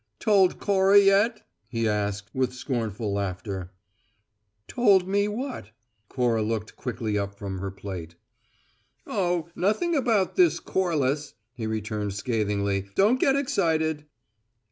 "Told Cora yet?" he asked, with scornful laughter. "Told me what?" Cora looked quickly up from her plate. "Oh, nothing about this Corliss," he returned scathingly. "Don't get excited."